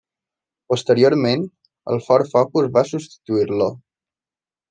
Posteriorment el Ford Focus va substituir-lo.